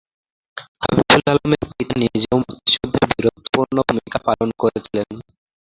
হাবিবুল আলমের পিতা নিজেও মুক্তিযুদ্ধে বীরত্বপূর্ণ ভূমিকা পালন করেছিলেন।